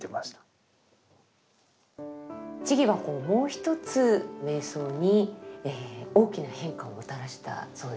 智はもう一つ瞑想に大きな変化をもたらしたそうですね。